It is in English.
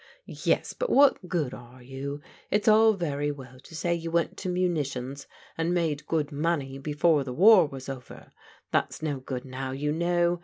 Yes, but what good are you? It's all very well to say you went to munitions and made good money before the war was over; that's no ^q4 now, you know.